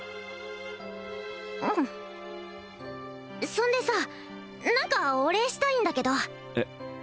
うんそんでさ何かお礼したいんだけどえっ